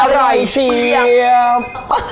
ไข่เชียบ